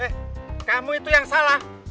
eh kamu itu yang salah